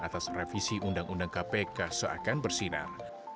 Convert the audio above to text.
atas revisi undang undang kpk seakan bersinar